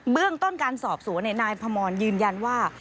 เรื่องต้นการสอบสวนนายพมรยืนยันว่า